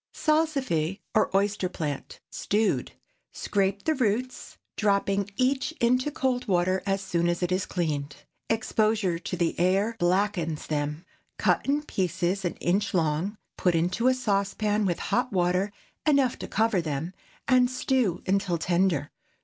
SALSIFY OR OYSTER PLANT. (Stewed.) ✠ Scrape the roots, dropping each into cold water as soon as it is cleaned. Exposure to the air blackens them. Cut in pieces an inch long, put into a saucepan with hot water enough to cover them, and stew until tender.